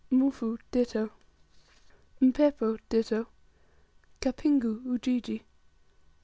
Mufu, ditto. 45. Mpepo, ditto. 46. Kapingu, Ujiji.